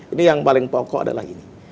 ini yang paling pokok adalah ini